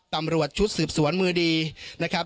ตำรวจชุดสืบสวนมือดีนะครับ